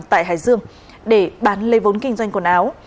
tại hải dương để bán lấy vốn kinh doanh quần áo